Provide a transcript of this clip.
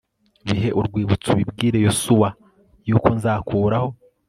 bibe urwibutso ubibwire yosuwa yuko nzakuraho